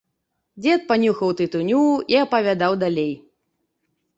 Дзед панюхаў тытуню і апавядаў далей.